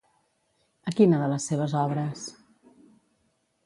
A quina de les seves obres?